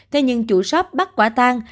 thế nhưng chủ shop bắt quả tan